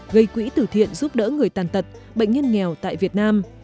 gây quỹ tử thiện giúp đỡ người tàn tật bệnh nhân nghèo tại việt nam